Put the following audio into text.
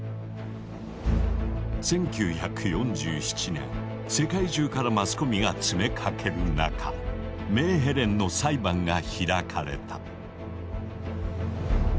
１９４７年世界中からマスコミが詰めかける中メーヘレンの裁判が開かれた。